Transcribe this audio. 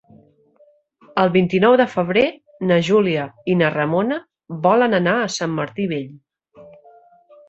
El vint-i-nou de febrer na Júlia i na Ramona volen anar a Sant Martí Vell.